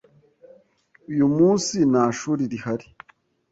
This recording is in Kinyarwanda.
Uyu munsi nta shuri rihari.